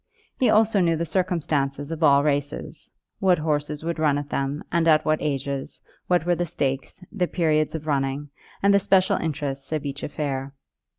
He knew also the circumstances of all races, what horses would run at them, and at what ages, what were the stakes, the periods of running, and the special interests of each affair.